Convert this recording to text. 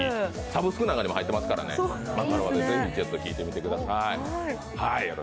サブスクの中にも入ってますで、ぜひ聴いてみてください。